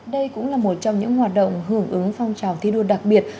đây cũng là một trong những hoạt động hưởng ứng phong trào thi đua đặc biệt